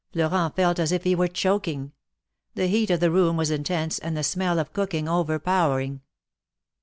Florent felt as if he were choking. The heat of the room was intense, and the smell of cooking overpowering.